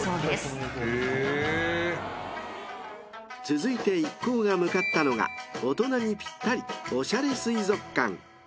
［続いて一行が向かったのが大人にぴったりおしゃれ水族館］